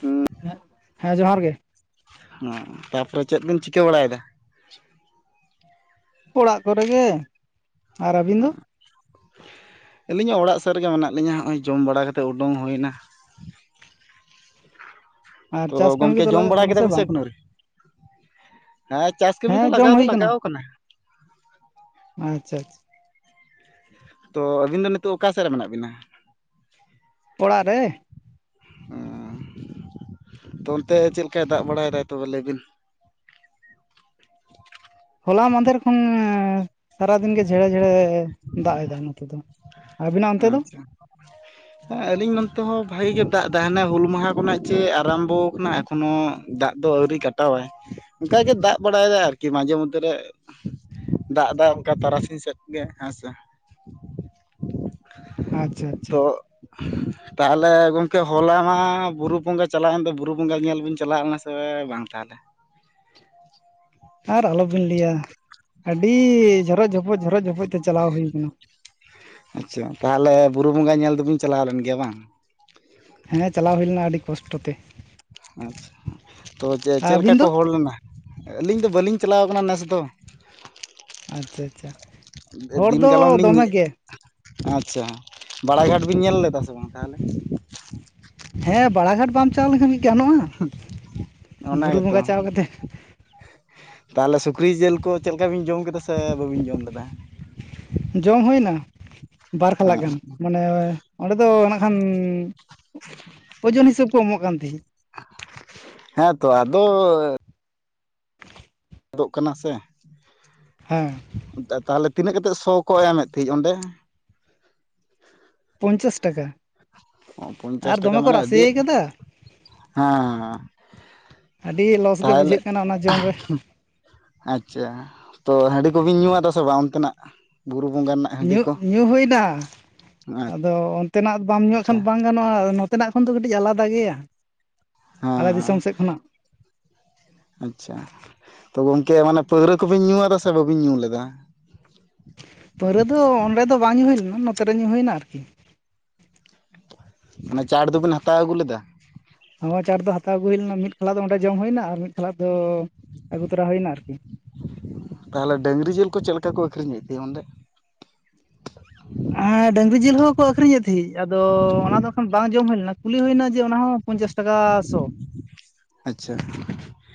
ᱦᱩᱸ᱾ [inaudible] ᱦᱮᱜ, ᱦᱮᱸ ᱡᱚᱦᱟᱨ ᱜᱮ᱾ ᱚᱸ ᱛᱟᱯᱚᱨᱮ ᱪᱮᱫ ᱵᱤᱱ ᱪᱤᱠᱟᱹ ᱵᱟᱲᱟᱭ ᱫᱟ? ᱚᱲᱟᱜ ᱠᱚᱨᱮ ᱜᱮ, ᱟᱨ ᱟᱹᱵᱤᱱ ᱫᱚ? ᱟᱹᱞᱤᱧ ᱦᱚᱸ ᱚᱲᱟᱜ ᱥᱮᱫ ᱨᱮᱜᱮ ᱢᱮᱱᱟᱜ ᱞᱤᱧᱟᱹ, ᱦᱚᱜᱼᱚᱭ ᱡᱚᱢ ᱵᱟᱲᱟ ᱠᱟᱛᱮᱫ ᱩᱰᱩᱝ ᱦᱩᱭᱮᱱᱟ᱾ ᱟᱨ ᱛᱚ ᱪᱟᱥ ᱠᱟᱹᱢᱤ ᱜᱚᱢᱠᱮ ᱠᱚᱫᱚ ᱡᱚᱢ ᱞᱟᱜᱟᱜ ᱵᱟᱲᱟ ᱠᱟᱱᱟ ᱠᱮᱫᱟ ᱵᱮᱤᱱ ᱥᱮ ᱵᱟᱝ ᱮᱠᱷᱱᱚ ᱟᱹᱣᱨᱤ? ᱦᱮᱸ ᱪᱟᱥ ᱠᱟᱹᱢᱤ ᱫᱚ ᱦᱮᱸ ᱡᱚᱢ ᱞᱟᱜᱟᱣ ᱫᱚ ᱦᱩᱭ ᱞᱟᱜᱟᱣ ᱠᱟᱱᱟ᱾ ᱟᱪᱪᱷᱟ ᱟᱪᱪᱷᱟ᱾ ᱛᱚ ᱟᱹᱵᱤᱱ ᱫᱚ ᱱᱤᱛᱚᱜ ᱚᱠᱟ ᱥᱮᱫ ᱨᱮ ᱢᱮᱱᱟᱜ ᱵᱤᱱᱟ? ᱚᱲᱟᱜ ᱨᱮ, ᱚᱻ ᱛᱚ ᱚᱱᱛᱮ ᱪᱮᱫ ᱞᱮᱠᱟᱭ ᱫᱟᱜ ᱵᱟᱲᱟᱭ ᱫᱟ ᱛᱚᱵᱮ ᱞᱟᱹᱭ ᱵᱤᱱ ᱦᱚᱞᱟ ᱢᱫᱷᱮᱨ ᱠᱷᱚᱱ ᱥᱟᱨᱟᱫᱤᱱ ᱜᱮ ᱡᱷᱮᱲᱮ ᱡᱷᱮᱲᱮ ᱫᱟᱜ ᱮᱫᱟᱭ ᱱᱚᱛᱮ ᱫᱚ ᱾ ᱟᱪᱪᱷᱟ ᱟᱹᱞᱤᱧ ᱱᱚᱱᱛᱮ ᱦᱚᱸ ᱵᱷᱟᱜᱤ ᱜᱮ ᱫᱟᱜ ᱫᱟᱭ ᱾ ᱦᱟᱱᱮ ᱦᱩᱞ ᱢᱟᱦᱟ ᱠᱷᱚᱱᱟᱜ ᱡᱮ ᱟᱨᱟᱢᱵᱚ ᱠᱟᱱᱟ ᱮᱠᱷᱚᱱᱳ ᱫᱟᱜ ᱫᱚ ᱟᱹᱣᱨᱤ ᱠᱟᱴᱟᱣᱟᱭ ᱾ ᱚᱱᱠᱟᱜᱮ ᱫᱟᱜ ᱵᱟᱲᱟᱭᱟᱭ ᱟᱨᱠᱤ ᱢᱟᱡᱷᱮ ᱢᱚᱫᱽᱫᱷᱮᱨᱮ ᱫᱟᱜ ᱮᱫᱟ ᱚᱱᱠᱟ ᱛᱟᱨᱟᱥᱤᱧ ᱥᱮᱫ ᱜᱮ ᱦᱮᱸ ᱥᱮ ᱾ ᱟᱪᱪᱷᱟ ᱟᱪᱪᱷᱟ ᱟᱪᱪᱷᱟ ᱾ [inaudible] ᱛᱟᱦᱚᱞᱮ ᱜᱚᱢᱠᱮ ᱦᱚᱞᱟ ᱢᱟ ᱵᱩᱨᱩ ᱵᱚᱸᱜᱟ ᱪᱟᱞᱟᱣᱮᱱ ᱫᱚ ᱵᱩᱨᱩ ᱵᱚᱸᱜᱟ ᱧᱮᱞ ᱵᱤᱱ ᱪᱟᱞᱟᱣᱱᱟ ᱥᱮ ᱵᱟᱝ ᱛᱟᱦᱚᱞᱮ? ᱟᱨ ᱟᱞᱚᱵᱤᱱ ᱞᱟᱹᱭᱟ ᱟᱹᱰᱤ ᱡᱷᱚᱨᱚᱡ ᱡᱷᱚᱯᱚᱡ ᱡᱷᱚᱨᱚᱢ ᱡᱷᱚᱯᱚᱡ ᱛᱮ ᱪᱟᱞᱟᱣ ᱦᱩᱭ ᱠᱟᱱᱟ ᱾ ᱟᱪᱪᱷᱟ ᱛᱟᱦᱚᱞᱮ ᱵᱩᱨᱩ ᱵᱚᱸᱜᱟ ᱧᱮᱞ ᱫᱚᱵᱤᱱ ᱪᱟᱞᱟᱣ ᱞᱮᱱ ᱜᱮᱭᱟ ᱵᱟᱝ? ᱦᱟᱱᱮᱸ ᱪᱟᱞᱟᱣ ᱦᱩᱭ ᱞᱮᱱᱟ ᱟᱹᱰᱤ ᱠᱚᱥᱴᱚ ᱛᱮ ᱾ ᱟᱪᱪᱷᱟ ᱾ ᱛᱚ ᱪᱮ ᱪᱮᱫᱠᱟ ᱟᱹᱵᱤᱱ ᱫᱚ ᱠᱚ ᱦᱚᱲ ᱞᱮᱱᱟ? ᱟᱹᱞᱤᱧ ᱫᱚ ᱵᱟᱹᱞᱤᱧ ᱪᱟᱞᱟᱣ ᱠᱟᱱᱟ ᱱᱮᱥ ᱫᱚ ᱾ ᱟᱪᱪᱷᱟ ᱟᱪᱪᱷᱟ ᱾ ᱪᱷᱟ ᱦᱚᱲ ᱫᱤᱱ ᱫᱚ ᱠᱟᱞᱚᱢ ᱞᱤᱧ ᱫᱚᱢᱮ ᱜᱮ᱾ ᱟᱪᱪᱷᱟ ᱾ ᱵᱟᱲᱟᱜᱷᱟᱴ ᱵᱤᱱ ᱧᱮᱞ ᱞᱮᱫᱟ ᱥᱮ ᱵᱟᱝ ᱛᱟᱦᱚᱞᱮ? ᱦᱮᱸ ᱵᱟᱲᱟᱜᱷᱟᱴ ᱵᱟᱢ ᱪᱟᱞᱟᱣ ᱞᱮᱠᱷᱟᱱ ᱠᱤ ᱜᱟᱱᱚᱜᱼᱟ ᱚᱱᱟ ᱵᱩᱨᱩ ᱜᱮᱛᱚ ᱵᱚᱸᱜᱟ ᱪᱟᱞᱟᱣ ᱠᱟᱛᱮᱫ ᱾ ᱛᱟᱦᱚᱞᱮ ᱥᱩᱠᱨᱤ ᱡᱤᱞ ᱠᱚ ᱪᱮᱫ ᱞᱮᱠᱟ ᱵᱤᱱ ᱡᱚᱢ ᱠᱮᱫᱟ ᱥᱮ ᱵᱟᱹᱵᱤᱱ ᱡᱚᱢ ᱞᱮᱫᱟ? ᱡᱚᱢ ᱦᱩᱭᱱᱟ ᱵᱟᱨ ᱠᱷᱟᱞᱟᱜ ᱜᱟᱱ ᱢᱟᱱᱮ ᱚᱸᱰᱮ ᱫᱚ ᱱᱟᱜ ᱠᱷᱟᱱ ᱳᱡᱚᱱ ᱦᱤᱥᱟᱹᱵᱽ ᱠᱚ ᱮᱢᱚᱜ ᱠᱟᱱ ᱛᱟᱦᱮᱫ ᱾ ᱦᱮᱸᱛᱚ ᱟᱫᱚ ᱟᱫᱚᱜ ᱠᱟᱱᱟ ᱥᱮ ᱦᱮᱸ ᱾ ᱛᱟᱦᱚᱞᱮ ᱛᱤᱱᱟᱹᱜ ᱠᱟᱛᱮᱫ ᱥᱚ ᱠᱚ ᱮᱢᱮᱫ ᱛᱟᱦᱮᱸᱫ ᱚᱸᱰᱮ? ᱯᱚᱧᱪᱟᱥ ᱴᱟᱠᱟ ᱾ ᱚ ᱯᱚᱧᱪᱟᱥ ᱴᱟᱠᱟ ᱢᱟᱱᱮ ᱟᱹᱰᱤ [unintelligible] ᱟᱠᱟᱫᱟ ᱦᱮᱸ ᱦᱮᱸ ᱟᱹᱰᱤ ᱞᱚᱥ ᱜᱮ ᱛᱟᱦᱚᱞᱮ ᱵᱩᱡᱷᱟᱹᱜ ᱠᱟᱱᱟ ᱚᱱᱟ ᱡᱚᱢ ᱨᱮ ᱟᱪᱪᱷᱟ ᱾ ᱛᱚ ᱦᱟᱺᱰᱤ ᱠᱚᱵᱤᱱ ᱧᱩ ᱟᱫᱟ ᱥᱮ ᱵᱟᱝ ᱚᱱᱛᱮ ᱱᱟᱜ? ᱵᱩᱨᱩ ᱵᱚᱸᱜᱟ ᱧᱩ ᱧᱩ ᱦᱩᱭᱟᱱᱟ ᱾ ᱟᱪᱪᱷᱟ ᱟᱫᱚ ᱚᱱᱛᱮᱱᱟᱜ ᱵᱟᱢ ᱧᱩᱟᱜ ᱠᱷᱟᱱ ᱵᱟᱝ ᱜᱟᱱᱚᱜᱼᱟ ᱾ ᱱᱚᱛᱮᱱᱟᱜ ᱠᱷᱚᱱ ᱫᱚ ᱠᱟᱹᱴᱤᱡ ᱟᱞᱟᱫᱟ ᱜᱮᱭᱟ ᱟᱞᱮ ᱫᱤᱥᱚᱢ ᱦᱮᱸ ᱥᱮᱫ ᱠᱷᱚᱱᱟᱜ ᱾ ᱟᱪᱪᱷᱟ ᱛᱚ ᱜᱚᱝᱠᱮ ᱚᱱᱮ ᱯᱟᱹᱣᱨᱟᱹ ᱠᱚᱵᱤᱱ ᱧᱩ ᱟᱫᱟ ᱥᱮ ᱵᱟᱵᱤᱱ ᱧᱩ ᱞᱮᱫᱟ? ᱯᱟᱹᱣᱨᱟᱹ ᱫᱚ ᱚᱸᱰᱮ ᱫᱚ ᱵᱟᱝ ᱧᱩ ᱦᱩᱭ ᱞᱮᱱᱟ ᱱᱚᱛᱮᱨᱮ ᱧᱩ ᱦᱩᱭᱱᱟ ᱟᱨᱠᱤ ᱾ ᱢᱟᱱᱮ ᱪᱟᱴ ᱫᱚᱵᱮᱱ ᱦᱟᱛᱟᱣ ᱟᱹᱜᱩ ᱞᱮᱫᱟ? ᱦᱚᱸ ᱪᱟᱴ ᱫᱚ ᱦᱟᱛᱟᱣ ᱟᱹᱜᱩ ᱦᱩᱭ ᱞᱮᱱᱟ ᱢᱤᱫ ᱠᱷᱟᱞᱟᱜ ᱫᱚ ᱚᱸᱰᱮ ᱡᱚᱢ ᱦᱩᱭᱱᱟ ᱟᱨ ᱢᱤᱫ ᱠᱷᱟᱞᱟᱜ ᱫᱚ ᱟᱹᱜᱩ ᱛᱚᱨᱟ ᱦᱩᱭᱱᱟ ᱟᱨᱠᱤ‌᱾ ᱛᱟᱦᱚᱞᱮ ᱰᱟᱹᱝᱨᱤ ᱡᱤᱞ ᱠᱚ ᱪᱮᱫᱞᱮᱠᱟ ᱠᱚ ᱟᱹᱠᱷᱨᱤᱧᱮᱫ ᱛᱮᱦᱮᱧ ᱚᱸᱰᱮ? ᱦᱮᱸ ᱰᱟᱹᱝᱨᱤ ᱡᱤᱞ ᱦᱚᱸᱠᱚ ᱟᱹᱷᱨᱤᱧᱮᱫ ᱛᱟᱦᱮᱸᱫ ᱾ ᱟᱫᱚ ᱚᱱᱟ ᱫᱚ ᱮᱠᱷᱚᱱ ᱵᱟᱝ ᱡᱚᱢ ᱦᱩᱭ ᱞᱮᱱᱟ ᱠᱩᱞᱤ ᱦᱩᱭᱱᱟ ᱡᱮ ᱚᱱᱟᱦᱚ ᱯᱚᱧᱪᱟᱥ ᱴᱟᱠᱟ ᱥᱚ ᱟᱪᱪᱷᱟ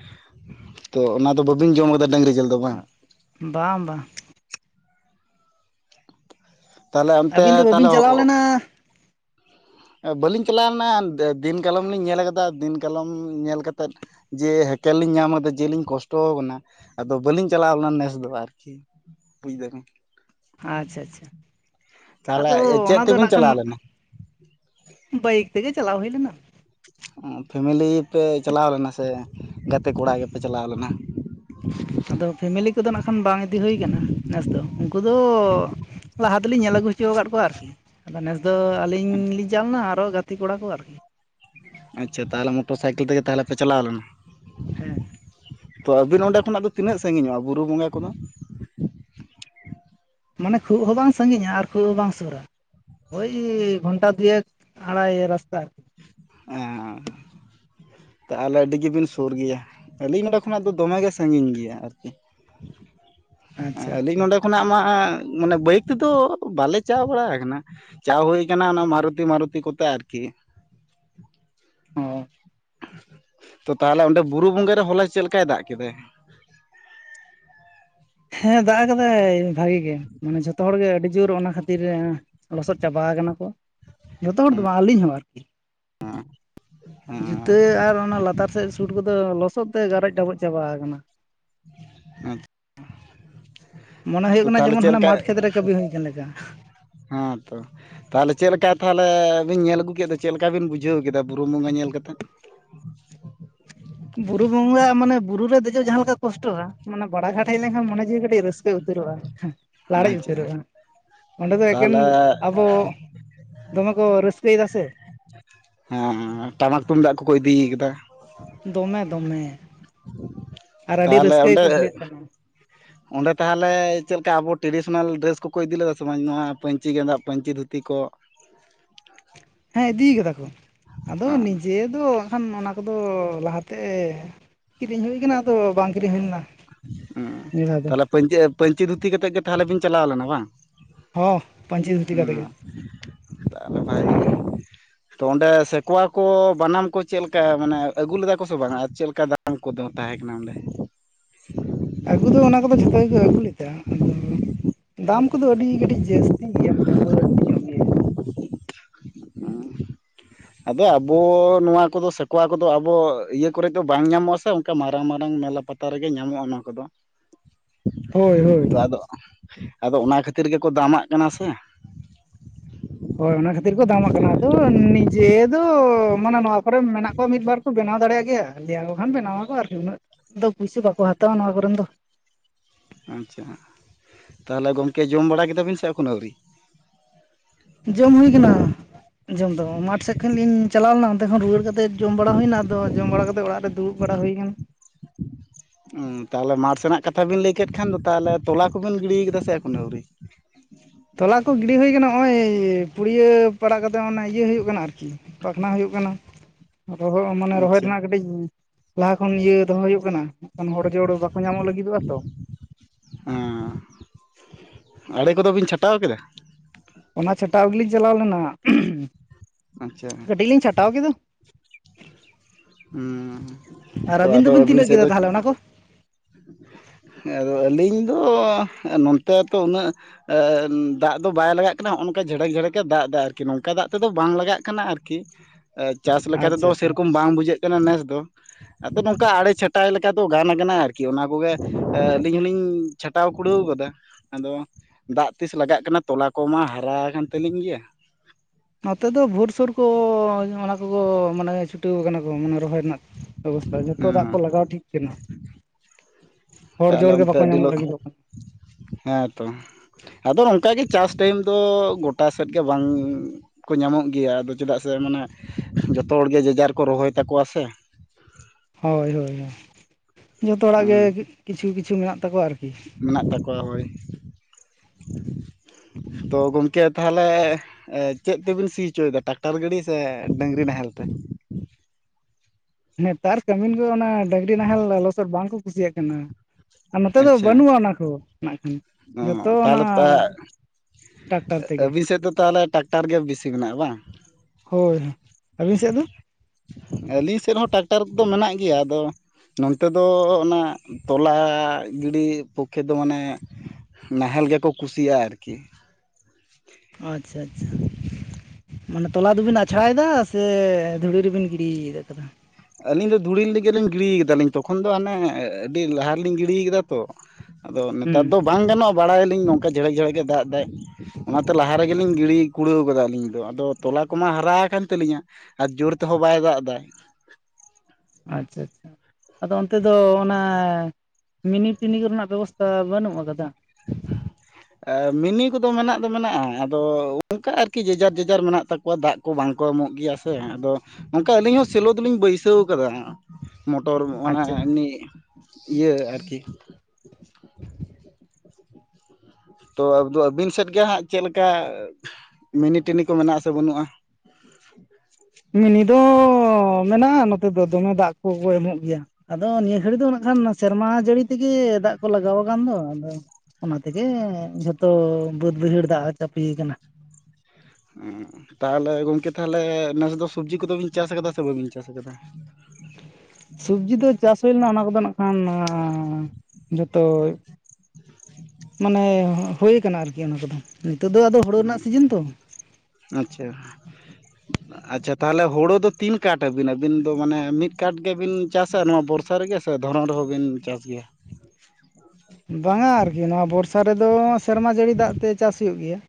᱾ ᱛᱚ ᱚᱱᱟ ᱫᱚ ᱵᱟᱹᱵᱤᱱ ᱡᱚᱢ ᱟᱫᱟ ᱰᱟᱹᱟᱝᱨᱤ ᱡᱤᱞ ᱫᱚ ᱵᱟᱝ? ᱵᱟᱝ ᱵᱟᱝ ᱾ ᱛᱟᱦᱚᱞᱮ ᱚᱱᱛᱮ ᱟᱹᱵᱤᱱ ᱫᱚ ᱵᱟᱹᱵᱤᱱ ᱪᱟᱞᱟᱣ ᱛᱟᱦᱚᱞᱮ ᱞᱮᱱᱟ? ᱵᱟᱹᱞᱤᱧ ᱪᱟᱞᱟᱣᱱᱟ ᱫᱤᱱ ᱠᱟᱞᱚᱢ ᱞᱤᱧ ᱧᱮᱞ ᱠᱟᱫᱟ ᱾ ᱫᱤᱱ ᱠᱟᱞᱚᱢ ᱧᱮᱞ ᱠᱟᱛᱮᱫ ᱾ ᱡᱮ ᱦᱮᱠᱮᱞ ᱞᱤᱧ ᱧᱟᱢ ᱟᱫᱟ ᱡᱮᱞᱤᱧ ᱠᱚᱥᱴᱚ ᱠᱟᱱᱟ ᱾ ᱟᱫᱚ ᱵᱟᱹᱞᱤᱧ ᱪᱟᱞᱟᱣ ᱞᱮᱱᱟ ᱱᱮᱥ ᱫᱚ ᱟᱨᱠᱤ ᱾ [unintelligible] ᱟᱪᱪᱷᱟ ᱟᱪᱪᱷᱟ ᱾ ᱛᱟᱦᱚᱞᱮ ᱟᱫᱚ ᱚᱱᱟ ᱪᱮᱫ ᱫᱚ ᱛᱮᱵᱤᱱ ᱱᱟᱜ ᱠᱷᱟᱱ ᱪᱟᱞᱟᱣ ᱞᱮᱱᱟ? ᱵᱟᱹᱭᱤᱠ ᱛᱮᱜᱮ ᱪᱟᱣ ᱦᱩᱭ ᱞᱮᱱᱟ ᱾ ᱯᱷᱮᱢᱮᱞᱤ ᱯᱮ ᱪᱟᱞᱟᱣ ᱞᱮᱱᱟ ᱥᱮ ᱜᱟᱛᱮ ᱠᱚᱲᱟ ᱜᱮᱯᱮ ᱪᱟᱞᱟᱣ ᱞᱮᱱᱟ ᱾ ᱟᱫᱚ ᱯᱷᱮᱢᱮᱞᱤ ᱠᱚᱫᱚ ᱱᱟᱜ ᱠᱷᱟᱱ ᱵᱟᱝ ᱤᱫᱤ ᱦᱩᱭᱠ ᱱᱮᱥ ᱫᱚ ᱾ ᱩᱱᱠᱩ ᱫᱚ ᱞᱟᱦᱟ ᱛᱮᱞᱤᱧᱮᱞ ᱟᱹᱜᱩ ᱦᱚᱪᱚ ᱟᱠᱟᱫ ᱠᱚᱣᱟ ᱟᱨᱠᱤ ᱾ ᱟᱫᱚ ᱱᱮᱥ ᱫᱚ ᱟᱹᱞᱤᱧ ᱞᱤᱧ ᱪᱟᱞᱟᱣ ᱱᱟ ᱟᱨᱚ ᱜᱟᱛᱮ ᱠᱚᱲᱟ ᱠᱚ ᱟᱨᱠᱤ ᱟᱪᱪᱷᱟ ᱛᱟᱦᱚᱞᱮ ᱢᱚᱴᱚᱨ ᱥᱟᱭᱠᱮᱞ ᱛᱮᱜᱮ ᱛᱟᱦᱚᱞᱮ ᱯᱮ ᱪᱟᱞᱟᱣ ᱞᱮᱱᱟ? ᱦᱮᱸ ᱾ ᱛᱚ ᱟᱹᱵᱤᱱ ᱚᱸᱰᱮ ᱠᱷᱚᱱᱟᱜ ᱫᱚ ᱛᱤᱱᱟᱹᱜ ᱥᱟᱺᱜᱤᱧᱚᱜᱼᱟ ᱵᱩᱨᱩ ᱵᱚᱸᱜᱟ ᱠᱚᱫᱚ? ᱢᱟᱱᱮ ᱠᱷᱩᱵ ᱦᱚᱸ ᱵᱟᱝ ᱥᱟᱺᱟᱹᱜᱤᱧᱟ ᱟᱨ ᱠᱷᱩᱵ ᱦᱚᱸ ᱵᱟᱝ ᱥᱩᱨᱟ ᱳᱭ ᱜᱷᱚᱱᱴᱟ ᱫᱩᱭᱮᱠ ᱟᱲᱟᱭ ᱨᱟᱥᱛᱟ ᱟᱨᱠᱤ ᱦᱮᱸᱻ ᱛᱚ ᱟᱞᱮ ᱟᱹᱰᱤ ᱜᱮᱵᱮᱱ ᱥᱩᱨ ᱜᱮᱭᱟ ᱟᱹᱞᱤᱧ ᱱᱚᱰᱮ ᱠᱷᱚᱱᱟᱜ ᱫᱚ ᱫᱚᱢᱮ ᱥᱟᱺᱜᱤᱧ ᱜᱮᱭᱟ ᱟᱨᱠᱤ ᱟᱪᱪᱷᱟ ᱟᱹᱞᱤᱧ ᱟᱪᱪᱷᱟ ᱱᱚᱰᱮ ᱛᱚ ᱠᱷᱚᱱᱟᱜ ᱢᱟ ᱢᱟᱱᱮ ᱵᱟᱹᱭᱤᱠ ᱛᱮᱫᱚ ᱵᱟᱞᱮ ᱪᱟ ᱵᱟᱲᱟ ᱟᱠᱟᱱᱟ ᱪᱟ ᱦᱩᱭ ᱠᱟᱱᱟ ᱚᱱᱟ ᱢᱟᱨᱩᱛᱤ ᱢᱟᱨᱩᱛᱤ ᱠᱚᱛᱮ ᱟᱨᱠᱤ ᱚ ᱛᱚ ᱛᱟᱦᱞᱮ ᱚᱸᱰᱮ ᱵᱩᱨᱩ ᱵᱚᱸᱜᱟ ᱨᱮ ᱦᱚᱞᱟ ᱪᱮᱫ ᱞᱮᱠᱟᱭ ᱫᱟᱜ ᱠᱮᱫᱟ? ᱦᱮᱸ ᱫᱟᱜ ᱟᱠᱟᱫᱟᱭ ᱵᱷᱟᱜᱤ ᱜᱮ ᱢᱟᱱᱮ ᱡᱷᱚᱛᱚ ᱦᱚᱲ ᱜᱮ ᱟᱹᱰᱤ ᱡᱳᱨ ᱚᱱᱟ ᱠᱷᱟᱹᱛᱤᱨ ᱞᱚᱥᱚᱫ ᱪᱟᱵᱟ ᱠᱟᱱᱟ ᱠᱚ ᱡᱚᱛᱚ ᱦᱚᱲ ᱫᱚ ᱵᱟᱝ ᱟᱹᱞᱤᱧ ᱦᱚᱸ ᱟᱨᱠᱤ ᱡᱩᱛᱟᱹ ᱦᱮᱸ ᱟᱨ ᱚᱱᱟ ᱞᱟᱛᱟᱨ ᱥᱮᱫ ᱥᱩᱴ ᱠᱚᱫᱚ ᱞᱚᱥᱚᱫ ᱛᱮ ᱜᱟᱨᱚᱡ ᱰᱟᱵᱚᱡ ᱪᱟᱵᱟ ᱟᱠᱟᱱᱟ ᱢᱚᱱᱮ ᱦᱩᱭᱩᱜ ᱛᱚ ᱠᱟᱱᱟ ᱛᱟᱦᱚᱞᱮ ᱡᱮᱢᱚᱱ ᱪᱮᱫ ᱦᱟᱱᱟ ᱞᱮᱠᱟ ᱢᱟᱴᱷ ᱠᱷᱮᱛᱨᱮ ᱠᱟᱹᱢᱤ ᱦᱩᱭᱩᱜ ᱠᱟᱱ ᱞᱮᱠᱟ ᱦᱮᱸ ᱛᱚ ᱛᱟᱦᱚᱞᱮ ᱪᱮᱫ ᱞᱮᱠᱟ ᱛᱟᱦᱚᱞᱮ ᱵᱤᱱ ᱧᱮᱞ ᱟᱹᱜᱩ ᱠᱮᱫ ᱫᱚ ᱪᱮᱫ ᱞᱮᱠᱟ ᱵᱤᱱ ᱵᱩᱡᱷᱟᱹᱣ ᱠᱮᱫᱟ ᱵᱩᱨᱩ ᱵᱚᱸᱜᱟ ᱧᱮᱞ ᱠᱟᱛᱮᱫ [unintelligible] ᱵᱩᱨᱩ ᱵᱚᱸᱜᱟ ᱢᱟᱱᱮ ᱵᱩᱨᱩ ᱨᱮ ᱫᱮᱡᱚᱜ ᱡᱟᱦᱟᱸ ᱞᱮᱠᱟ ᱠᱚᱥᱴᱚᱼᱟ ᱢᱟᱱᱮ ᱵᱟᱲᱟ ᱜᱷᱟᱴ ᱦᱮᱡ ᱞᱮᱱᱠᱷᱟᱱ ᱢᱚᱱᱮ ᱡᱤᱣᱤ ᱠᱟᱹᱴ ᱨᱟᱹᱥᱠᱟᱹ ᱩᱛᱟᱹᱨᱚᱜᱼᱟ ᱞᱟᱲᱮᱡ ᱟᱪᱪᱷᱟ ᱩᱛᱟᱹᱨᱚᱜᱼᱟ ᱚᱸᱰᱮ ᱫᱚ ᱮᱠᱮᱱ ᱛᱟᱦᱚᱞᱮ ᱟᱵᱚ ᱫᱚᱢᱮ ᱠᱚ ᱨᱟᱹᱥᱠᱟᱹᱭᱮᱫᱟ ᱥᱮ [inaudible] ᱦᱮᱸ ᱴᱟᱢᱟᱠ ᱛᱩᱢᱫᱟᱜ ᱠᱚᱠᱚ ᱤᱫᱤᱭ ᱠᱮᱫᱟ ᱫᱚᱢᱮ ᱫᱚᱢᱮ ᱟᱨ ᱟᱹᱰᱤ ᱛᱟᱦᱚᱞᱮ ᱨᱟᱹᱥᱠᱟᱹ ᱚᱸᱰᱮ ᱦᱤᱞᱟᱹᱜ ᱠᱟᱱᱟ [inaudible] ᱚᱸᱰᱮ ᱛᱟᱦᱚᱞᱮ ᱪᱮᱫ ᱞᱮᱠᱟ ᱟᱵᱚ ᱴᱨᱮᱰᱤᱥᱚᱱᱟᱞ ᱰᱨᱮᱥ ᱠᱚᱠᱚ ᱤᱫᱤ ᱞᱮᱫᱟ ᱥᱮ ᱵᱟᱝ ᱱᱚᱣᱟ ᱯᱟᱹᱧᱪᱤ ᱜᱮᱸᱫᱟᱜ ᱯᱟᱹᱧᱪᱤ ᱫᱷᱩᱛᱤ ᱠᱚ [inaudible] ᱦᱮᱸ ᱤᱫᱤᱭ ᱠᱟᱫᱟ ᱠᱚ ᱟᱫᱚ ᱦᱮᱸ ᱱᱤᱡᱮ ᱫᱚ ᱠᱷᱟᱱ ᱚᱱᱟ ᱠᱚᱫᱚ ᱞᱟᱦᱟᱛᱮ ᱠᱤᱨᱤᱧ ᱦᱩᱭ ᱠᱟᱱᱟ ᱟᱫᱚ ᱵᱟᱝ ᱠᱤᱨᱤᱧ ᱦᱩᱭ ᱞᱮᱱᱟ ᱦᱮᱸ ᱱᱤᱭᱟᱹ ᱫᱷᱟᱣ ᱫᱚ ᱛᱟᱦᱞᱮ ᱯᱟᱹᱧᱪᱤ ᱯᱟᱹᱧᱪᱤ ᱫᱷᱩᱛᱤ ᱠᱟᱛᱮᱫ ᱜᱮ ᱛᱟᱦᱚᱞᱮ ᱵᱤᱱ ᱪᱟᱞᱟᱣ ᱞᱮᱱᱟ ᱵᱟᱝ ᱦᱚᱸ ᱯᱟᱹᱧᱪᱤ ᱫᱷᱩᱛᱤ ᱠᱟᱛᱮ ᱜᱮ ᱛᱟᱦᱞᱮ ᱵᱷᱟᱜᱮ ᱜᱮ ᱛᱚ ᱚᱸᱰᱮ ᱥᱟᱠᱚᱣᱟ ᱠᱚ ᱵᱟᱱᱟᱢ ᱠᱚ ᱪᱮᱫ ᱞᱮᱠᱟ ᱢᱟᱱᱮ ᱟᱹᱜᱩ ᱞᱮᱫᱟ ᱠᱚ ᱥᱮ ᱵᱟᱝᱟ ᱪᱮᱫ ᱞᱮᱠᱟ ᱫᱟ ᱫᱟᱢ ᱠᱚᱫᱚ ᱛᱟᱦᱮᱸ ᱠᱟᱱᱟ ᱚᱸᱰᱮ ᱟᱹᱜᱩ ᱫᱚ ᱚᱱᱟ ᱠᱚᱫᱚ ᱡᱷᱚᱛᱚ ᱜᱮᱠᱚ ᱟᱹᱜᱩ ᱞᱮᱫᱟ ᱟᱫᱚ ᱫᱟᱢ ᱠᱚᱫᱚ ᱟᱹᱰᱤ ᱠᱟᱹᱴᱤᱡ ᱡᱟᱹᱥᱛᱤ ᱜᱮᱭᱟ ᱢᱟᱱᱮ ᱵᱟᱹᱲᱛᱤ ᱧᱚᱜ ᱜᱮᱭᱟ ᱟᱫᱚ ᱟᱵᱚ ᱱᱚᱣᱟ ᱠᱚᱫᱚ ᱥᱮᱠᱚᱣᱟ ᱠᱚᱫᱚ ᱟᱵᱚ ᱤᱭᱟᱹ ᱠᱚᱨᱮ ᱫᱚ ᱵᱟᱝ ᱧᱟᱢᱚᱜᱼᱟ ᱥᱮ ᱚᱱᱠᱟ ᱢᱟᱨᱟᱝ ᱢᱟᱨᱟᱝ ᱢᱮᱞᱟ ᱯᱟᱛᱟ ᱯᱟᱛᱟ ᱨᱮᱜᱮ ᱧᱟᱢᱚᱜᱼᱟ ᱚᱱᱟ ᱠᱚᱫᱚ ᱦᱳᱭ ᱦᱳᱭ ᱟᱫᱚ ᱟᱫᱚ ᱚᱱᱟ ᱠᱷᱟᱹᱛᱤᱨ ᱜᱮᱠᱚ ᱫᱟᱢᱟᱜ ᱠᱟᱱᱟ ᱥᱮ ᱦᱳᱭ ᱚᱱᱟ ᱠᱷᱟᱹᱛᱤᱨ ᱠᱚ ᱫᱟᱢᱟᱜ ᱠᱟᱱᱟ ᱟᱫᱚ ᱱᱤᱡᱮ ᱫᱚ ᱢᱟᱱᱮ ᱱᱚᱣᱟ ᱠᱚᱨᱮ ᱢᱮᱱᱟᱜ ᱠᱚᱣᱟ ᱢᱤᱫ ᱵᱟᱨ ᱠᱚ ᱵᱮᱱᱟᱣ ᱫᱟᱲᱮᱭᱟᱜ ᱜᱮᱭᱟ ᱞᱟᱹᱭ ᱟᱠᱚ ᱠᱷᱟᱱ ᱵᱮᱱᱟᱣ ᱟᱠᱚ ᱟᱨᱠᱤ ᱩᱱᱟᱹᱜ ᱫᱚ ᱯᱩᱭᱥᱟᱹ ᱵᱟᱠᱚ ᱦᱟᱛᱟᱣᱟ ᱱᱚᱣᱟ ᱠᱚᱨᱮᱱ ᱫᱚ ᱟᱪᱪᱷᱟ ᱛᱟᱦᱚᱞᱮ ᱜᱚᱢᱠᱮ ᱡᱚᱢ ᱵᱟᱲᱟ ᱠᱮᱫᱟᱵᱤᱱ ᱥᱮ ᱮᱠᱷᱚᱱᱳ ᱟᱹᱣᱨᱤ ᱡᱚᱢ ᱦᱩᱭ ᱠᱟᱱᱟ ᱡᱚᱢ ᱫᱚ ᱢᱟᱴᱷ ᱥᱮᱫ ᱠᱷᱚᱱ ᱞᱤᱧ ᱪᱟᱞᱟᱣ ᱞᱮᱱᱟ ᱚᱱᱛᱮ ᱠᱷᱚᱱ ᱨᱩᱣᱟᱹᱲ ᱠᱟᱛᱮᱫ ᱡᱚᱢ ᱵᱟᱲᱟ ᱦᱩᱭᱱᱟ ᱟᱫᱚ ᱡᱚᱢ ᱵᱟᱲᱟ ᱠᱟᱛᱮ ᱚᱲᱟᱜᱨᱮ ᱫᱩᱲᱩᱵ ᱵᱟᱲᱟ ᱦᱩᱭ ᱟᱠᱟᱱᱟ ᱛᱟᱦᱚᱞᱮ ᱢᱟᱴᱷ ᱥᱮᱱᱟᱜ ᱠᱟᱛᱷᱟ ᱵᱤᱱ ᱞᱟᱹᱭ ᱠᱮᱫ ᱠᱷᱟᱱ ᱫᱚ ᱛᱟᱦᱚᱞᱮ ᱛᱚᱞᱟ ᱠᱚᱵᱤᱱ ᱜᱤᱲᱤᱭ ᱠᱮᱫᱟ ᱥᱮ ᱮᱠᱷᱚᱱᱳ ᱟᱹᱣᱨᱤ? ᱛᱚᱞᱟ ᱠᱚ ᱜᱤᱰᱤ ᱦᱩᱭ ᱟᱠᱟᱱᱟ ᱱᱚᱜᱼᱚᱭ ᱯᱩᱲᱭᱟᱹ ᱯᱟᱲᱟᱜ ᱠᱟᱛᱮ ᱚᱱᱮ ᱤᱭᱟᱹ ᱦᱩᱭᱩᱜ ᱠᱟᱱᱟ ᱟᱨᱠᱤ ᱯᱠᱷᱱᱟᱣ ᱦᱩᱭᱩᱜ ᱠᱟᱱᱟ ᱨᱚᱦᱚᱭ ᱢᱟᱱᱮ ᱨᱚᱦᱚᱭ ᱟᱪᱪᱷᱟ ᱨᱮᱱᱟᱜ ᱠᱟᱹᱴᱤᱡ ᱞᱟᱦᱟ ᱠᱷᱚᱱ ᱤᱭᱟᱹ ᱫᱚᱦᱚ ᱦᱩᱭᱩᱜ ᱠᱟᱱᱟ ᱟᱱ ᱦᱚᱲ ᱡᱚᱲ ᱵᱟᱠᱚ ᱧᱟᱢᱚᱜ ᱞᱟᱹᱜᱤᱫᱚᱜᱼᱟ ᱛᱚ ᱦᱮᱸ ᱟᱲᱮ ᱠᱚᱫᱚ ᱵᱤᱱ ᱪᱷᱟᱴᱟᱣ ᱠᱮᱫᱟ ᱚᱱᱟ ᱪᱷᱟᱴᱟᱣ ᱜᱮᱞᱤᱧ ᱪᱟᱞᱟᱣ ᱞᱮᱱᱟ, ᱟᱪᱪᱷᱟ ᱠᱟᱹᱴᱤᱡ ᱞᱤᱧ ᱪᱷᱟᱴᱟᱣ ᱠᱮᱫᱟ᱾ ᱦᱩᱸ ᱟᱨ ᱛᱚ ᱟᱫᱚ ᱫᱚᱵᱤᱱ ᱟᱹᱵᱤᱱ ᱛᱤᱱᱟᱹᱜ ᱥᱮᱫ ᱫᱚ ᱠᱮᱫᱟ ᱛᱟᱦᱚᱞᱮ ᱚᱱᱟ ᱠᱚ ᱟᱫᱚ ᱟᱹᱞᱤᱧ ᱫᱚ ᱱᱚᱱᱛᱮ ᱛᱚ ᱩᱱᱟᱹᱜ ᱫᱟᱜ ᱫᱚ ᱵᱟᱭ ᱞᱟᱜᱟᱜ ᱠᱟᱱᱟ᱾ ᱦᱚᱜ-ᱚ ᱱᱚᱝᱠᱟ ᱡᱷᱮᱲᱮᱠ ᱡᱷᱮᱲᱮᱠᱮ ᱫᱟᱜ ᱮᱫᱟ ᱟᱨᱠᱤ ᱱᱚᱝᱠᱟ ᱫᱟᱜ ᱛᱮᱫᱚ ᱵᱟᱝ ᱞᱟᱜᱟᱜ ᱠᱟᱱᱟ ᱟᱨᱠᱤ᱾ ᱪᱟᱥ ᱞᱮᱠᱟ ᱟᱪᱪᱷᱟ ᱛᱮᱫᱚ ᱟᱪᱪᱷᱟ ᱥᱮᱨᱚᱠᱚᱢ ᱵᱟᱝ ᱵᱩᱡᱷᱟᱹᱜ ᱠᱟᱱᱟ ᱱᱮᱥ ᱫᱚ᱾ ᱟᱫᱚ ᱱᱚᱝᱠᱟ ᱟᱲᱮ ᱪᱷᱟᱴᱟᱭ ᱞᱮᱠᱟ ᱛᱚ ᱜᱟᱱ ᱟᱠᱟᱱᱟ ᱟᱨᱠᱤ ᱚᱱᱟ ᱠᱚᱜᱮ ᱟᱹᱞᱤᱧ ᱦᱚᱞᱤᱧ ᱪᱷᱟᱴᱟᱣ ᱠᱩᱲᱟᱹᱣ ᱟᱠᱟᱫᱟ᱾ ᱟᱫᱚ ᱫᱟᱜ ᱛᱤᱥ ᱞᱟᱜᱟᱜ ᱠᱟᱱᱟ ᱛᱚᱞᱟ ᱠᱚᱢᱟ ᱦᱟᱨᱟ ᱟᱠᱟᱱ ᱛᱟᱹᱞᱤᱧ ᱜᱮᱭᱟ᱾ ᱱᱚᱛᱮ ᱫᱚ ᱵᱷᱳᱨᱥᱳᱨ ᱠᱚ ᱚᱱᱟ ᱠᱚᱠᱚ ᱢᱟᱱᱮ ᱪᱷᱴᱟᱹᱣ ᱠᱟᱱᱟ ᱠᱚ ᱢᱟᱱᱮ ᱨᱚᱦᱚᱭ ᱨᱮᱱᱟᱜ ᱵᱮᱵᱚᱥᱛᱷᱟ ᱡᱷᱚᱛᱚ ᱫᱟᱜ ᱠᱚ ᱦᱮᱸ ᱞᱟᱜᱟᱣ ᱴᱷᱤᱠ ᱠᱟᱱᱟ᱾ ᱦᱚᱲ ᱡᱳᱚᱲ ᱜᱮ ᱵᱟᱠᱚ ᱧᱟᱢᱚᱜ ᱞᱟᱹᱜᱤᱫᱚᱜ ᱠᱟᱱᱟ ᱦᱮᱸᱛᱚ᱾ ᱟᱫᱚ ᱚᱱᱠᱟ ᱜᱮ ᱪᱟᱥ ᱴᱟᱭᱤᱢ ᱫᱚ ᱜᱚᱴᱟ ᱥᱮᱫ ᱜᱮ ᱵᱟᱝ ᱠᱚ ᱧᱟᱢᱚᱜ ᱜᱮᱭᱟ ᱟᱫᱚ ᱪᱮᱫᱟᱜ ᱥᱮ ᱢᱟᱱᱮ ᱡᱚᱛᱚ ᱦᱚᱲᱜᱮ ᱡᱮᱡᱟᱨ ᱠᱚ ᱨᱚᱦᱚᱭ ᱛᱟᱠᱚᱣᱟ ᱥᱮ᱾ ᱦᱳᱭ ᱦᱳᱭ ᱦᱳᱭ ᱡᱚᱛᱚ ᱦᱚᱲᱟᱜ ᱜᱮ ᱦᱩᱸ ᱠᱤᱪᱷᱩ ᱠᱤᱪᱷᱩ ᱢᱮᱱᱟᱜ ᱛᱟᱠᱚᱣᱟ ᱟᱨᱠᱤ᱾ ᱢᱮᱱᱟᱜ ᱛᱟᱠᱚᱣᱟ ᱦᱳᱭ᱾ ᱛᱚ ᱜᱚᱝᱠᱮ ᱛᱟᱦᱚᱞᱮ ᱪᱮᱫ ᱛᱮᱵᱤᱱ ᱥᱤ ᱦᱚᱪᱚᱭᱮᱫᱟ ᱴᱨᱟᱠᱴᱟᱨ ᱜᱟᱲᱤ ᱥᱮ ᱰᱟᱹᱝᱨᱤ ᱱᱟᱦᱮᱞ ᱛᱮ? ᱱᱮᱸᱛᱟᱨ ᱠᱟᱹᱢᱤᱱ ᱠᱚ ᱚᱱᱟ ᱰᱟᱹᱝᱨᱤ ᱱᱟᱦᱮᱞ ᱞᱚᱥᱚᱫ ᱵᱟᱝᱠᱚ ᱠᱩᱥᱤᱭᱟᱜ ᱠᱟᱱᱟ᱾ ᱟᱨ ᱱᱚᱛᱮ ᱫᱚ ᱟᱪᱪᱷᱟ ᱵᱟᱹᱱᱩᱜᱼᱟ ᱚᱱᱟ ᱠᱚ ᱱᱟᱜ ᱠᱷᱟᱱ᱾ ᱚ ᱡᱚᱛᱚ ᱚᱱᱟ ᱛᱟᱦᱚᱞᱮ ᱴᱟᱠᱴᱟᱨ ᱛᱮᱜᱮ ᱟᱹᱵᱤᱱ ᱥᱮᱫ ᱫᱚ ᱛᱟᱦᱚᱞᱮ ᱴᱨᱟᱠᱴᱟᱨ ᱜᱮ ᱵᱮᱥᱤ ᱢᱮᱱᱟᱜᱼᱟ ᱵᱟᱝ? ᱦᱳᱭ ᱟᱹᱵᱤᱱ ᱥᱮᱫ ᱫᱚ? ᱟᱹᱞᱤᱧ ᱥᱮᱫ ᱦᱚᱸ ᱴᱨᱟᱠᱴᱟᱨ ᱫᱚ ᱢᱮᱱᱟᱜ ᱜᱮᱭᱟ ᱟᱫᱚ ᱱᱚᱱᱛᱮ ᱫᱚ ᱚᱱᱟ ᱛᱚᱞᱟ ᱜᱤᱰᱤ ᱯᱚᱠᱠᱷᱮ ᱫᱚ ᱢᱟᱱᱮ ᱱᱟᱦᱮᱞ ᱜᱮᱠᱚ ᱠᱩᱥᱤᱭᱟᱜᱼᱟ ᱟᱨᱠᱤ᱾ ᱟᱪᱪᱷᱟ ᱟᱪᱪᱷᱟ᱾ ᱢᱟᱱᱮ ᱛᱚᱞᱟ ᱫᱚᱵᱤᱱ ᱟᱪᱷᱲᱟᱭᱫᱟ ᱥᱮ ᱫᱷᱩᱲᱤ ᱨᱮᱵᱤᱱ ᱜᱤᱰᱤᱭᱮᱫ ᱟᱠᱟᱫᱟ? ᱟᱹᱞᱤᱧ ᱫᱚ ᱫᱷᱩᱲᱤ ᱞᱤᱜᱮ ᱞᱤᱧ ᱜᱤᱲᱤᱭ ᱠᱟᱫᱟᱞᱤᱧ᱾ ᱛᱚᱠᱷᱚᱱ ᱫᱚ ᱦᱟᱱᱮ ᱟᱹᱰᱤ ᱞᱟᱦᱟ ᱨᱮ ᱞᱤᱧ ᱜᱤᱲᱤᱭ ᱠᱟᱫᱟ ᱛᱚ᱾ ᱟᱫᱚ ᱦᱩᱸ ᱱᱮᱛᱟᱨ ᱫᱚ ᱵᱟᱝ ᱜᱟᱱᱚᱜᱼᱟ᱾ ᱵᱟᱲᱟᱭᱟᱞᱤᱧ ᱱᱚᱝᱠᱟ ᱡᱷᱮᱲᱮᱠ ᱡᱷᱮᱲᱮᱠ ᱜᱮ ᱫᱟᱜ ᱫᱟᱭ᱾ ᱚᱱᱟᱛᱮ ᱞᱟᱦᱟ ᱨᱮᱜᱮ ᱞᱤᱧ ᱜᱤᱲᱤ ᱠᱩᱲᱟᱹᱣ ᱠᱟᱫᱟ ᱟᱹᱞᱤᱧ ᱫᱚ᱾ ᱟᱫᱚ ᱛᱚᱞᱟ ᱠᱚᱢᱟ ᱦᱟᱨᱟ ᱟᱠᱟᱱ ᱛᱟᱞᱤᱧᱟ᱾ ᱟᱨ ᱡᱳᱨ ᱛᱮᱦᱚᱸ ᱵᱟᱭ ᱫᱟᱜ ᱫᱟ᱾ ᱟᱪᱪᱷᱟ ᱟᱪᱪᱷᱟ᱾ ᱟᱫᱚ ᱚᱱᱛᱮ ᱫᱚ ᱚᱱᱟ ᱢᱤᱱᱤ ᱴᱤᱱᱤ ᱠᱚᱨᱮᱱᱟᱜ ᱵᱮᱵᱚᱥᱛᱟ ᱵᱟᱹᱱᱩᱜ ᱟᱠᱟᱫᱟ? ᱢᱤᱱᱤ ᱠᱚᱫᱚ ᱢᱮᱱᱟᱜ ᱫᱚ ᱢᱮᱱᱟᱜᱼᱟ᱾ ᱟᱫᱚ ᱚᱱᱠᱟ ᱟᱨᱠᱤ ᱡᱮᱡᱟᱨ ᱡᱮᱡᱟᱨ ᱢᱮᱱᱟᱜ ᱛᱟᱠᱚᱣᱟ ᱫᱟᱜ ᱠᱚ ᱵᱟᱝ ᱠᱚ ᱮᱢᱚᱜ ᱜᱮᱭᱟ ᱥᱮ᱾ ᱟᱫᱚ ᱱᱚᱝᱠᱟ ᱟᱹᱞᱤᱧ ᱦᱚᱸ ᱥᱮᱞᱳ ᱫᱚᱞᱤᱧ ᱵᱟᱹᱭᱥᱟᱹᱣ ᱠᱟᱫᱟ᱾ ᱢᱚᱴᱚᱨ ᱚᱱᱟ ᱟᱪᱪᱷᱟ ᱮᱢᱱᱤ ᱤᱭᱟᱹ ᱟᱨᱠᱤ᱾ [inaudible] ᱛᱚ ᱟᱫᱚ ᱟᱹᱵᱤᱱ ᱥᱮᱫ ᱜᱮ ᱦᱟᱸᱜ ᱪᱮᱫᱽᱞᱮᱠᱟ ᱢᱤᱱᱤ ᱴᱤᱱᱤ ᱠᱚ ᱢᱮᱱᱟᱜ ᱟᱥᱮ ᱵᱟᱹᱱᱩᱜᱼᱟ? [inaudible] ᱢᱤᱱᱤ ᱫᱚ ᱢᱮᱱᱟᱜᱼᱟ, ᱱᱚᱛᱮ ᱫᱚ ᱫᱚᱢᱮ ᱫᱟᱜ ᱠᱚᱠᱚ ᱮᱢᱚᱜ ᱜᱮᱭᱟ᱾ ᱟᱫᱚ ᱱᱤᱭᱟᱹ ᱜᱷᱟᱹᱲᱤᱡ ᱫᱚ ᱱᱟᱜ ᱠᱷᱟᱱ ᱥᱮᱨᱢᱟ ᱡᱟᱹᱲᱤ ᱛᱮᱜᱮ ᱫᱟᱜ ᱠᱚ ᱞᱟᱜᱟᱣ ᱟᱠᱟᱱ ᱫᱚ᱾ ᱟᱫᱚ ᱚᱱᱟ ᱛᱮᱜᱮ ᱡᱷᱚᱛᱚ ᱵᱟᱹᱫᱽ ᱵᱟᱹᱭᱦᱟᱹᱲ ᱫᱟᱜ ᱪᱟᱯᱤᱭ ᱟᱠᱟᱱᱟ᱾ ᱛᱟᱦᱚᱞᱮ ᱜᱚᱢᱠᱮ ᱛᱟᱦᱚᱞᱮ ᱱᱮᱥ ᱫᱚ ᱥᱚᱵᱽᱡᱤ ᱠᱚᱫᱚ ᱵᱤᱱ ᱪᱟᱥ ᱟᱠᱟᱫᱟ ᱥᱮ ᱵᱟᱹᱵᱤᱱ ᱪᱟᱥ ᱠᱟᱫᱟ? ᱥᱚᱵᱽᱡᱤ ᱫᱚ ᱪᱟᱥ ᱦᱩᱭ ᱞᱮᱱᱟ, ᱚᱱᱟ ᱠᱚᱫᱚ ᱱᱟᱜ ᱠᱷᱟᱱ ᱡᱷᱚᱛᱚ ᱢᱟᱱᱮ ᱦᱩᱭ ᱠᱟᱱᱟ ᱟᱨᱠᱤ ᱚᱱᱟ ᱠᱚᱫᱚ᱾ ᱱᱤᱛᱚᱜ ᱫᱚ ᱟᱫᱚ ᱦᱩᱲᱩ ᱨᱮᱱᱟᱜ ᱥᱤᱡᱤᱱ ᱛᱚ ᱦᱚᱸ ᱟᱪᱪᱷᱟ᱾ ᱟᱪᱪᱷᱟ ᱛᱟᱦᱚᱞᱮ ᱦᱳᱲᱳ ᱫᱚ ᱛᱤᱱ ᱠᱟᱴ ᱟᱵᱤᱱ, ᱟᱹᱵᱤᱱ ᱫᱚ? ᱢᱟᱱᱮ ᱢᱤᱫ ᱠᱟᱴ ᱜᱮᱵᱤᱱ ᱪᱟᱥᱟ ᱱᱚᱣᱟ ᱵᱚᱨᱥᱟ [unintelligible] ᱨᱮᱜᱮ ᱥᱮ ᱫᱷᱚᱨᱚᱱ ᱨᱮᱦᱚᱸᱵᱤᱱ ᱪᱟᱥ ᱜᱮᱭᱟ? ᱵᱟᱝᱟ ᱟᱨᱠᱤ ᱱᱚᱣᱟ ᱵᱚᱨᱥᱟ ᱨᱮᱫᱚ ᱥᱮᱨᱢᱟ ᱡᱟᱹᱲᱤ ᱫᱟᱜ ᱛᱮ ᱪᱟᱥ ᱦᱩᱭᱩᱜ ᱜᱮᱭᱟ᱾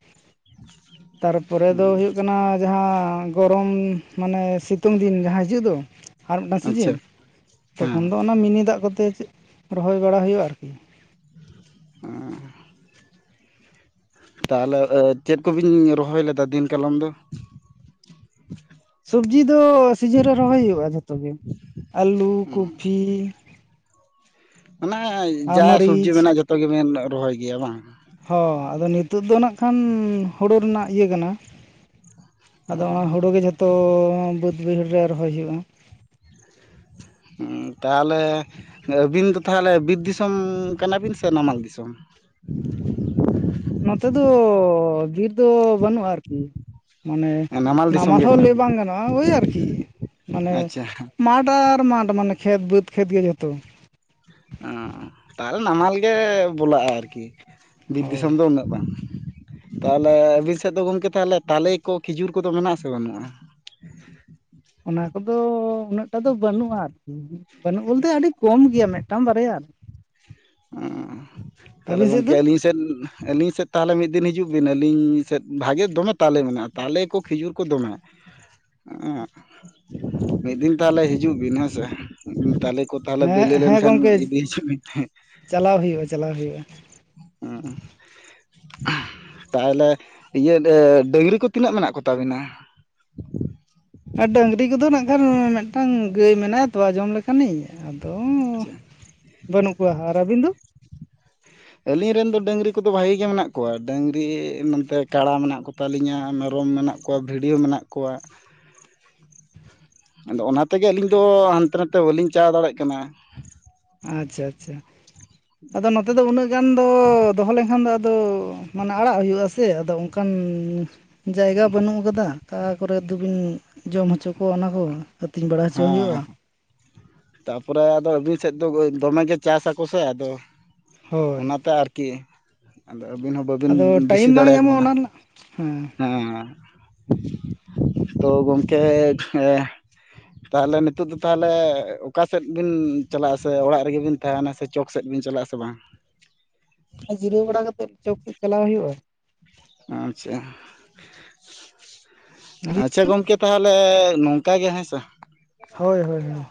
ᱛᱟᱨᱯᱚᱨᱮ ᱫᱚ ᱦᱩᱭᱩᱜ ᱠᱟᱱᱟ ᱡᱟᱦᱟᱸ ᱜᱚᱨᱚᱢ ᱢᱟᱱᱮ ᱥᱤᱛᱩᱝ ᱫᱤᱱ ᱡᱟᱦᱟᱸ ᱦᱤᱡᱩᱜ ᱫᱚ ᱟᱨ ᱢᱤᱫᱴᱟᱝ ᱥᱤᱡᱤᱱ, ᱟᱪᱪᱷᱟ ᱛᱚᱠᱷᱚᱱ ᱫᱚ ᱦᱮᱸ ᱚᱱᱟ ᱢᱤᱱᱤ ᱫᱟᱜ ᱠᱚᱛᱮ ᱨᱚᱦᱚᱭ ᱵᱟᱲᱟ ᱦᱩᱭᱩᱜᱼᱟ ᱟᱨᱠᱤ ᱚ ᱛᱟᱦᱞᱮ ᱪᱮᱫ ᱠᱚᱵᱤᱱ ᱨᱚᱦᱚᱭ ᱞᱮᱫᱟ ᱫᱤᱱ ᱠᱟᱞᱚᱢ ᱫᱚ ᱥᱚᱵᱽᱡᱤ ᱫᱚ ᱥᱤᱡᱤᱱ ᱨᱮ ᱨᱚᱦᱚᱭ ᱦᱩᱭᱩᱜᱼᱟ ᱡᱷᱚᱛᱚ ᱜᱮ ᱟᱞᱩ, ᱠᱩᱯᱷᱤ ᱚᱱᱟ ᱟᱨ ᱡᱟ ᱥᱚᱵᱡᱤ ᱢᱟᱹᱨᱤᱪ ᱢᱮᱱᱟᱜᱼᱟ ᱡᱷᱚᱛᱚ ᱜᱮᱵᱮᱱ ᱨᱚᱦᱚᱭ ᱜᱮᱭᱟ ᱵᱟᱝ ᱦᱚᱸ, ᱟᱫᱚ ᱱᱤᱛᱚᱜ ᱫᱚ ᱱᱟᱜ ᱠᱷᱟᱱ ᱦᱩᱲᱩ ᱨᱮᱱᱟᱜ ᱤᱭᱟᱹ ᱠᱟᱱᱟ ᱟᱫᱚ ᱚᱱᱟ ᱦᱳᱲᱳ ᱜᱮ ᱡᱷᱚᱛᱚ ᱵᱟᱹᱫᱽ ᱵᱟᱹᱭᱦᱟᱹᱲ ᱨᱮ ᱨᱚᱦᱚᱭ ᱦᱩᱭᱩᱜᱼᱟ ᱩᱸᱻ ᱛᱟᱦᱞᱮ, ᱟᱹᱵᱤᱱ ᱫᱚ ᱛᱟᱦᱞᱮ ᱵᱤᱨ ᱫᱤᱥᱚᱢ ᱠᱟᱱᱟᱵᱤᱱ ᱥᱮ ᱱᱟᱢᱟᱞ ᱫᱤᱥᱚᱢ ᱱᱚᱛᱮ ᱫᱚ ᱵᱤᱨ ᱫᱚ ᱵᱟᱹᱱᱩᱜᱼᱟ ᱢᱟᱱᱮ ᱱᱟᱢᱟᱞ ᱫᱤᱥᱚᱢ ᱜᱮ ᱦᱚᱸ ᱞᱟᱹᱭ ᱠᱟᱱᱟᱵᱤᱱ ᱵᱟᱝ ᱜᱟᱱᱚᱜᱼᱟ ᱳᱭ ᱟᱨᱠᱤ ᱢᱟᱱᱮ ᱟᱪᱪᱷᱟ ᱢᱟᱴᱷ ᱟᱨ ᱢᱟᱴᱷ ᱢᱟᱱᱮ ᱠᱷᱮᱛ ᱵᱟᱹᱫᱽ ᱠᱷᱮᱛ ᱜᱮ ᱡᱷᱚᱛᱚ᱾ ᱚ, ᱛᱟᱦᱞᱮ ᱱᱟᱢᱟᱞ ᱜᱮ ᱵᱚᱞᱟᱜᱼᱟ ᱟᱨᱠᱤ ᱵᱤᱨ ᱦᱳᱭ ᱫᱤᱥᱚᱢ ᱫᱚ ᱩᱱᱟᱹᱜ ᱫᱚ ᱵᱟᱝ, ᱛᱟᱦᱚᱞᱮ ᱟᱹᱵᱤᱱ ᱥᱮᱫ ᱫᱚ ᱜᱚᱢᱠᱮ ᱛᱟᱦᱚᱞᱮ ᱛᱟᱞᱮ ᱠᱚ ᱠᱷᱤᱡᱩᱨ ᱠᱚᱫᱚ ᱢᱮᱱᱟᱜ-ᱟ ᱥᱮ ᱵᱟᱱᱩᱜ-ᱟ? ᱚᱱᱟ ᱠᱚᱫᱚ ᱩᱱᱟᱹᱜᱴᱟ ᱫᱚ ᱵᱟᱹᱱᱩᱜᱼᱟ ᱟᱨᱠᱤ ᱵᱟᱹᱱᱩᱜ ᱵᱚᱞᱛᱮ ᱟᱹᱰᱤ ᱠᱚᱢ ᱜᱮᱭᱟ ᱢᱤᱫᱴᱟᱝ ᱵᱟᱨᱭᱟ ᱚ ᱛᱟᱦᱞᱮ ᱟᱹᱵᱤᱱ ᱥᱮᱫ ᱜᱚᱝᱠᱮ ᱫᱚ ᱟᱞᱤᱥ ᱥᱮᱫ ᱟᱹᱞᱤᱧ ᱥᱮᱫ ᱛᱟᱦᱞᱮ ᱢᱤᱫ ᱫᱤᱱ ᱦᱤᱡᱩᱜ ᱵᱤᱱ, ᱟᱹᱞᱤᱧ ᱥᱮᱫ ᱵᱷᱟᱜᱮ ᱫᱚᱢᱮ ᱛᱟᱞᱮ ᱢᱮᱱᱟᱜᱼᱟ, ᱛᱟᱞᱮ ᱠᱚ ᱠᱷᱤᱡᱩᱨ ᱠᱚ ᱫᱚᱢᱮ ᱚ, ᱢᱤᱫ ᱫᱤᱱ ᱛᱟᱦᱞᱮ ᱦᱤᱡᱩᱜ ᱵᱤᱱ ᱦᱮᱸᱥᱮ ᱛᱟᱞᱮ ᱠᱚ ᱛᱟᱦᱞᱮ ᱵᱤᱞᱤ ᱞᱮᱱᱠᱷᱟᱱ ᱤᱫᱤ ᱦᱤᱡᱩᱜ ᱰᱤᱱ ᱪᱟᱞᱟᱜ ᱦᱩᱭᱩᱜᱼᱟ ᱪᱟᱞᱟᱣ ᱦᱩᱭᱩᱜᱼᱟ ᱚ ᱛᱟᱦᱞᱮ ᱤᱭᱟᱹ ᱰᱟᱝᱨᱤ ᱠᱚ ᱛᱤᱱᱟᱹᱜ ᱢᱮᱱᱟᱜ ᱠᱚᱛᱟ ᱵᱤᱱᱟ ᱟᱨ ᱵᱟᱹᱝᱨᱤ ᱠᱚᱫᱚ ᱱᱟᱜ ᱠᱷᱟᱱ ᱢᱤᱫᱴᱟᱝ ᱜᱟᱹᱭ ᱢᱮᱱᱟᱭᱟ ᱛᱚᱣᱟ ᱡᱚᱢ ᱞᱮᱠᱟᱱᱤᱧ ᱟᱫᱚ ᱵᱟᱹᱱᱩᱜ ᱠᱚᱣᱟ ᱟᱨ ᱟᱹᱵᱤᱱ ᱫᱚ ᱟᱹᱞᱤᱧ ᱨᱮᱱ ᱫᱚ ᱰᱟᱹᱝᱨᱤ ᱠᱚᱫᱚ ᱵᱷᱟᱜᱤ ᱜᱮ ᱢᱮᱱᱟᱜ ᱠᱚᱣᱟ ᱰᱟᱹᱝᱨᱤ ᱱᱚᱛᱮ ᱠᱟᱲᱟ ᱢᱮᱱᱟᱜ ᱠᱚ ᱛᱟᱞᱤᱧᱟ ᱢᱮᱨᱚᱢ ᱢᱮᱱᱟᱜ ᱠᱚᱣᱟ ᱵᱷᱤᱰᱤ ᱦᱚᱸ ᱢᱮᱱᱟᱜ ᱠᱚᱣᱟ ᱟᱫᱚ ᱚᱱᱟ ᱛᱮᱜᱮ ᱟᱹᱞᱤᱧ ᱫᱚ ᱦᱟᱱᱛᱮ ᱱᱟᱛᱮ ᱵᱟᱹᱞᱤᱧ ᱪᱟᱞᱟᱣ ᱫᱟᱲᱮᱭᱟᱜ ᱠᱟᱱᱟ ᱟᱪᱪᱷᱟ ᱟᱪᱪᱷᱟ ᱟᱫᱚ ᱱᱚᱛᱮ ᱫᱚ ᱩᱱᱟᱹᱜ ᱜᱟᱱ ᱫᱚ ᱫᱚᱦᱚ ᱞᱮᱱᱠᱷᱟᱱ ᱫᱚ ᱟᱫᱚ ᱢᱟᱱᱮ ᱟᱲᱟᱜ ᱦᱩᱭᱩᱜᱼᱟ ᱥᱮ ᱟᱫᱚ ᱠᱟᱱ ᱡᱟᱭᱜᱟ ᱵᱟᱹᱱᱩᱜ ᱟᱠᱟᱫᱟ ᱚᱠᱟ ᱠᱚᱨᱮ ᱫᱚᱵᱤᱱ ᱡᱚᱢ ᱦᱚᱪᱚ ᱠᱚᱣᱟ ᱚᱱᱟ ᱠᱚ ᱟᱹᱛᱤᱧ ᱵᱟᱲᱟ ᱦᱚᱪᱚ ᱦᱮᱸ ᱦᱩᱭᱩᱜᱼᱟ ᱛᱟᱯᱚᱨᱮ ᱟᱫᱚ ᱟᱹᱵᱤᱱ ᱥᱮᱫ ᱫᱚ ᱫᱚᱢᱮᱜᱮ ᱪᱟᱥᱟᱠᱚ ᱥᱮ ᱟᱫᱚ ᱦᱳᱭ ᱚᱱᱟᱛᱮ ᱟᱨᱠᱤ ᱟᱫᱚ ᱟᱹᱵᱤᱱ ᱦᱚᱸ ᱵᱟᱹᱵᱤᱱ ᱟᱫᱚ ᱵᱤᱥᱤ ᱴᱟᱭᱤᱢ ᱵᱟᱝ ᱫᱟᱲᱮᱭᱟᱠᱚ ᱧᱟᱢᱚᱜᱼᱟ ᱠᱟᱱᱟ ᱚᱱᱟ ᱨᱮᱱᱟᱜ ᱦᱮᱸ ᱛᱚ ᱜᱚᱝᱠᱮ ᱮᱸᱻ ᱛᱟᱦᱞᱮ ᱱᱤᱛᱚᱜ ᱫᱚ ᱛᱟᱦᱞᱮ ᱚᱠᱟ ᱥᱮᱫ ᱵᱤᱱ ᱪᱟᱞᱟᱜ-ᱟ ᱥᱮ ᱚᱲᱟᱜ ᱨᱮᱜᱮ ᱵᱤᱱ ᱛᱟᱦᱮᱱᱟ ᱥᱮ ᱪᱚᱠ ᱥᱮᱫ ᱵᱤᱱ ᱪᱟᱞᱟᱜ-ᱟ ᱥᱮ ᱵᱟᱝ ᱡᱤᱨᱟᱹᱣ ᱵᱟᱲᱟ ᱠᱟᱛᱮᱫ ᱪᱚᱠ ᱥᱮᱫ ᱪᱟᱞᱟᱣ ᱦᱩᱭᱩᱜᱼᱟ ᱟᱪᱪᱷᱟ, ᱦᱳᱭ ᱟᱪᱪᱷᱟ ᱜᱚᱝᱠᱮ ᱛᱟᱦᱞᱮ ᱚᱱᱠᱟ ᱜᱮ ᱦᱮᱸ ᱥᱮ ᱦᱳᱭ ᱦᱳᱭ ᱦᱳᱭ